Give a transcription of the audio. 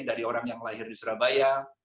dari orang yang lahir di surabaya